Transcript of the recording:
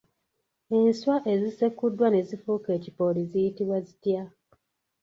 Enswa ezisekuddwa ne zifuuka ekipooli ziyitibwa zitya?